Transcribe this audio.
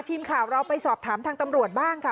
ทีมข่าวเราไปสอบถามทางตำรวจบ้างค่ะ